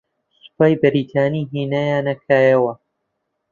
سوپای بەریتانی ھێنایانە کایەوە